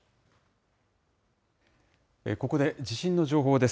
ここで地震の情報です。